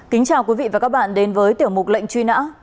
kính chào quý vị và các bạn đến với tiểu mục lệnh truy nã